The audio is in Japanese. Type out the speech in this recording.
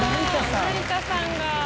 成田さんが。